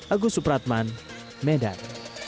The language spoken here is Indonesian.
agus supratman medan